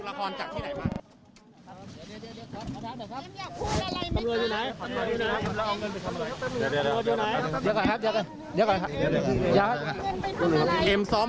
แล้วพี่ทำไมถามอะ